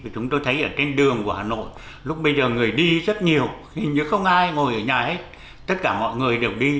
chúng tôi thấy ở trên đường của hà nội lúc bây giờ người đi rất nhiều hình như không ai ngồi ở nhà hết tất cả mọi người đều đi